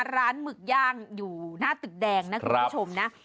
หมึกย่างอยู่หน้าตึกแดงนะคุณผู้ชมนะ